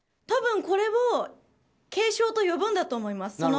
多分、これを軽症と呼ぶんだと思います。